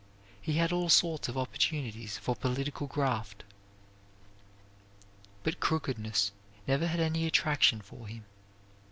He had all sorts of opportunities for political graft. But crookedness never had any attraction for him.